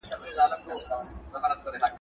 تخنیکي وده د وخت غوښتنه ده.